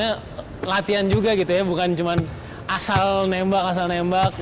karena latihan juga gitu ya bukan cuma asal nembak asal nembak